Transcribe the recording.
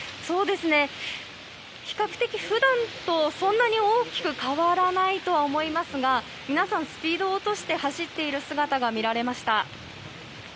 比較的普段とそんなに大きく変わらないと思いますが皆さん、スピードを落として走っている姿が見られました。